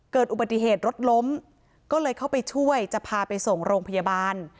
เกิดอุบัติเหตุรถล้มก็เลยเข้าไปช่วยจะพาไปส่งโรงพยาบาล